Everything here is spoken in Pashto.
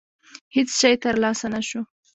هېڅ شی ترلاسه نه شو.